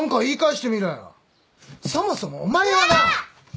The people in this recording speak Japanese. そもそもお前はな。